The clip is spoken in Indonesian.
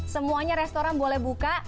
semuanya restoran boleh buka